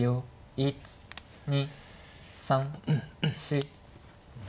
１２３４。